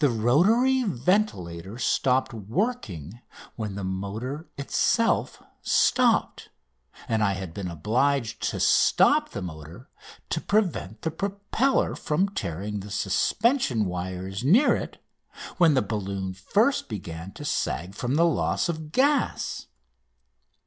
The rotary ventilator stopped working when the motor itself stopped, and I had been obliged to stop the motor to prevent the propeller from tearing the suspension wires near it when the balloon first began to sag from loss of gas.